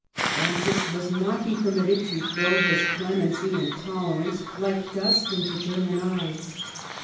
Francis must not be permitted to throw his clemency and tolerance like dust into German eyes.